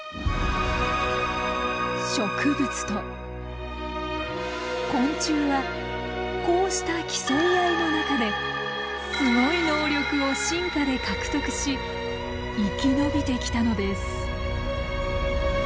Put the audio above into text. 植物と昆虫はこうした競い合いの中ですごい能力を進化で獲得し生きのびてきたのです。